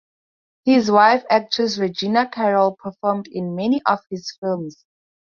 His wife, actress Regina Carrol, performed in many of his films.